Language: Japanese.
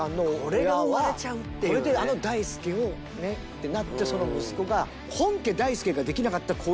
これであの大輔をってなってその息子が。